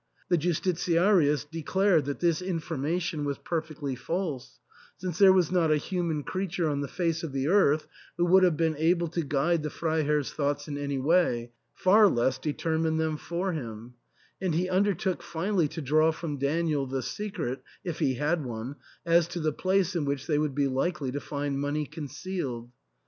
The Justitiarius declared that this infor mation was perfectly false, since there was not a human creature on the face of the earth who would have been able to g^ide the Freiherr's thoughts in any way, far less determine them for him ; and he undertook finally to draw from Daniel the secret, if he had one, as to the place in which they would be likely to find money concealed.